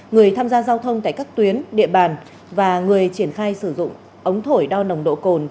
người tham gia giao thông tại các tuyến địa bàn và người triển khai sử dụng ống thổi đo nồng độ cồn